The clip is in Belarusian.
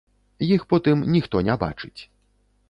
Іх потым ніхто не бачыць.